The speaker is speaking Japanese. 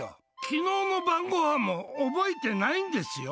昨日の晩ごはんも覚えてないんですよ？